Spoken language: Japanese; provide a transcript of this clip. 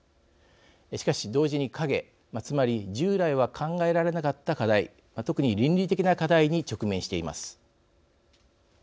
しかし同時に影つまり従来は考えられなかった課題特に倫理的な課題に直面しています。